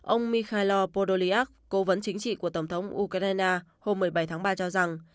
ông mikhail podolyak cố vấn chính trị của tổng thống ukraine hôm một mươi bảy tháng ba cho rằng